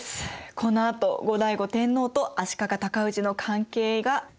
このあと後醍醐天皇と足利尊氏の関係が変わっていきます。